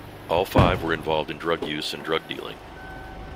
All five were involved in drug use and drug dealing.